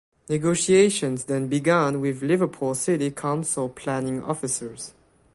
Negotiations then began with Liverpool City Council planning officers.